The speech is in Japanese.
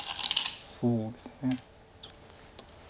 そうですね。